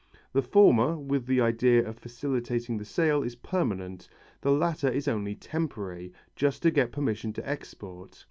The former, with the idea of facilitating the sale, is permanent, the latter is only temporary, just to get permission to export.